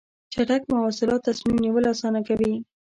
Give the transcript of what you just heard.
چټک مواصلات تصمیم نیول اسانه کوي.